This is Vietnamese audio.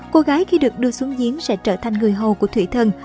cô gái khi được đưa xuống giếng sẽ trở thành người hầu của thủy thần